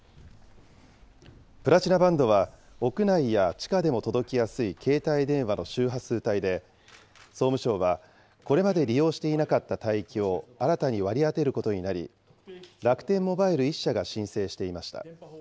プラチナバンドは、屋内や地下でも届きやすい携帯電話の周波数帯で、総務省は、これまで利用していなかった帯域を新たに割り当てることになり、楽天モバイル１社が申請していました。